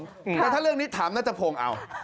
แต่ถ้าเรื่องนี้ถามนัทพงศ์เอา